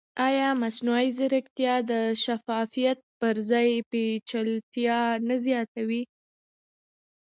ایا مصنوعي ځیرکتیا د شفافیت پر ځای پېچلتیا نه زیاتوي؟